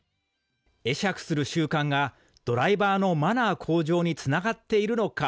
会釈する習慣がドライバーのマナー向上につながっているのか。